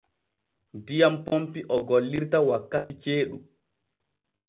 Diyam ponpi o gollirta wakkati ceeɗu.